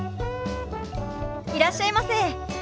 いらっしゃいませ。